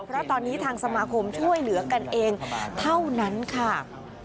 เพราะตอนนี้ทางสมาคมช่วยเหลือกันเองเท่านั้นค่ะ